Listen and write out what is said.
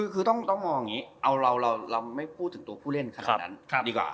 คือต้องมองอย่างนี้เราไม่พูดถึงตัวผู้เล่นขนาดนั้นดีกว่า